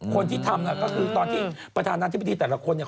คนที่ทำก็คือตอนที่ประธานาธิบดีแต่ละคนเนี่ย